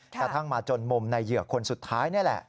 กระทั่งมาจนมุมในเหยื่อคนสุดท้ายนี่แหละ